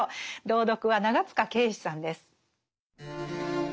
朗読は長塚圭史さんです。